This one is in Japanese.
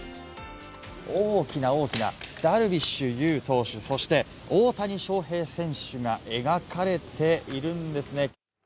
大きな大きなダルビッシュ有投手、そして大谷翔平選手が描かれているんですね。